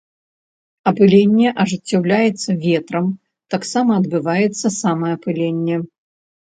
Апыленне ажыццяўляецца ветрам, таксама адбываецца самаапыленне.